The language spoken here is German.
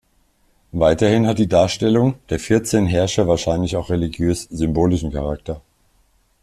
Weiterhin hat die Darstellung der vierzehn Herrscher wahrscheinlich auch religiös-symbolischen Charakter.